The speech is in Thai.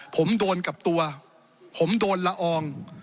ผมโดนกับตัวผมโดนละออง